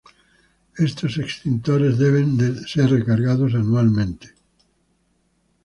Estos extintores deben ser recargados anualmente.